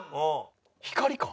光か？